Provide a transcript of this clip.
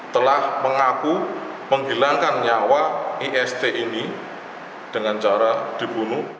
telah mengaku menghilangkan nyawa ist ini dengan cara dibunuh